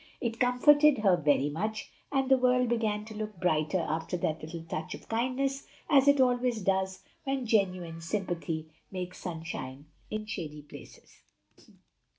It comforted her very much, and the world began to look brighter after that little touch of kindness, as it always does when genuine sympathy makes sunshine in shady places.